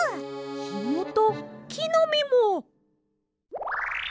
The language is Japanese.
ひもときのみも！